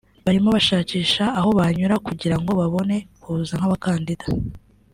barimo bashakisha aho banyura kugira ngo babone kuza nk’abakandida